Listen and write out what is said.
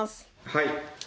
「はい。